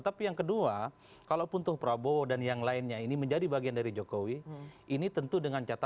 tapi yang kedua kalau pun toh prabowo dan yang lainnya ini menjadi bagian dari jokowi ini tentu dengan catatan